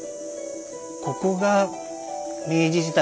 ここが明治時代